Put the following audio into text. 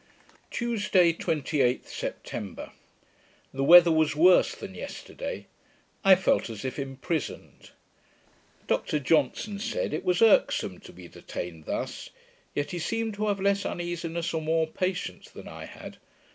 Tuesday, 28th September The weather was worse than yesterday. I felt as if imprisoned. Dr Johnson said, it was irksome to be detained thus: yet he seemed to have less uneasiness, or more patience, than I had.